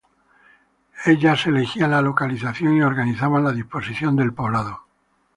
Ellas elegían la localización y organizaban la disposición del poblado.